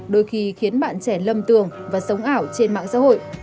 đôi khi khiến bạn trẻ lầm tường và sống ảo trên mạng xã hội